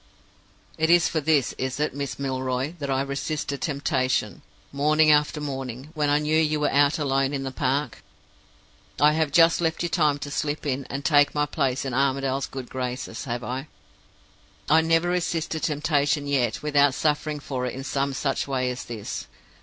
"It is for this, is it, Miss Milroy, that I resisted temptation, morning after morning, when I knew you were out alone in the park? I have just left you time to slip in, and take my place in Armadale's good graces, have I? I never resisted temptation yet without suffering for it in some such way as this!